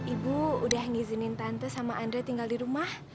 ibu udah ngizinin tante sama andre tinggal di rumah